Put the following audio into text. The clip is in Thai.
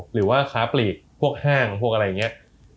หรือว่าค้าปลีกพวกห้างพวกอะไรอย่างนี้